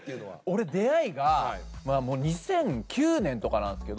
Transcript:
俺出会いが２００９年とかなんですけど。